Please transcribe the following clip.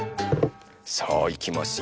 さあいきますよ。